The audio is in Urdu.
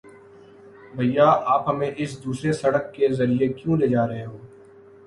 بھیا، آپ ہمیں اس دوسری سڑک کے ذریعے کیوں لے جا رہے ہو؟